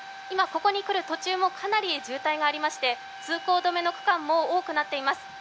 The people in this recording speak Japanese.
今、ここに来る途中もかなり渋滞がありまして通行止めの区間も多くなっています。